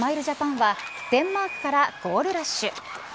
ジャパンはデンマークからゴールラッシュ。